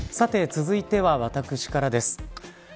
続いては私からです。